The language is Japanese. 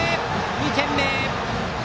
２点目！